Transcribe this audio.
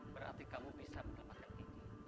berarti kamu bisa menemukan kiki